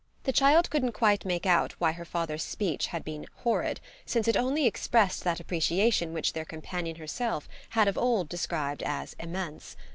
The child couldn't quite make out why her father's speech had been horrid, since it only expressed that appreciation which their companion herself had of old described as "immense."